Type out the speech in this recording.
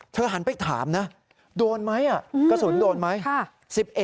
หันไปถามนะโดนไหมกระสุนโดนไหม